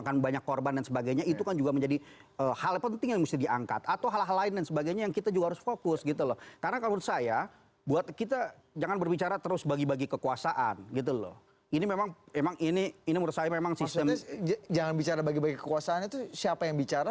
maksudnya jangan bicara bagi bagi kekuasaannya itu siapa yang bicara